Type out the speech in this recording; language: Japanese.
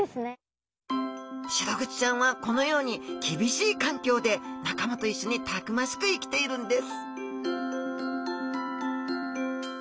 シログチちゃんはこのように厳しい環境で仲間と一緒にたくましく生きているんです！